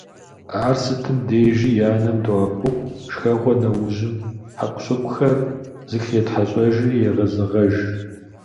Ар сытым дежи и анэм доӀэпыкъу, шхэгъуэ нэужьым хьэкъущыкъухэр зэхетхьэщӏэжри егъэзэгъэж.